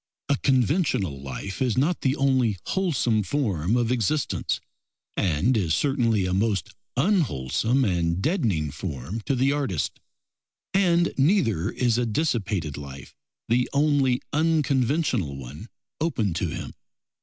A conventional life is not the only wholesome form of existence, and is certainly a most unwholesome and deadening form to the artist; and neither is a dissipated life the only unconventional one open to him.